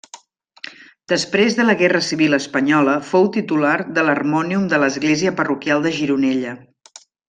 Després de la Guerra Civil espanyola fou titular de l'harmònium de l'Església Parroquial de Gironella.